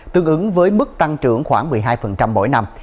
tương ứng với mức tăng trưởng khoảng một mươi hai mỗi năm